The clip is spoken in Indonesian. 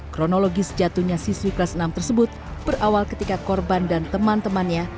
kronologi sejatuhnya siswi kelas enam tersebut berawal ketika korban dan teman temannya